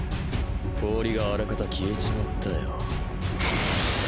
氷が粗方消えちまったよ。